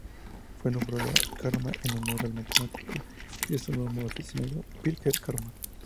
Fue nombrado Karma en honor al matemático y astrónomo aficionado Birger Karma.